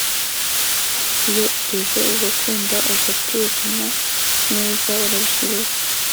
Iyo utuje ugakunda Ugaturana neza urabyibuha